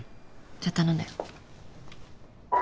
じゃあ頼んだよ。